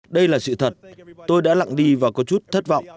đây là sự thật tôi đã lặng đi và có chút thất vọng